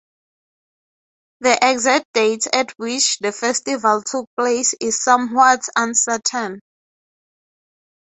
The exact date at which the festival took place is somewhat uncertain.